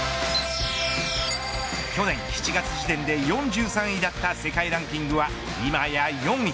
去年７月時点で４３位だった世界ランキングは今や４位。